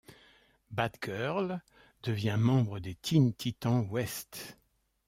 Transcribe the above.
Bat-Girl devient membre des Teen Titans West.